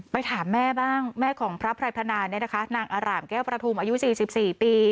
ไปถามแม่บ้างแม่ของพระพรัพธนานางอร่ามแก้วประธุมอายุ๔๔ปี